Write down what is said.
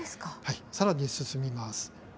さらに進みます。